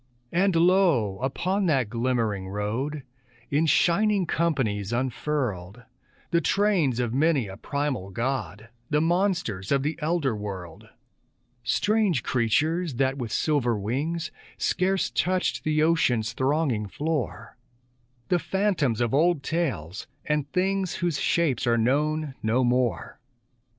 And lo! upon that glimmering road, In shining companies unfurled, The trains of many a primal god, The monsters of the elder world; Strange creatures that, with silver wings, Scarce touched the ocean's thronging floor, The phantoms of old tales, and things Whose shapes are known no more.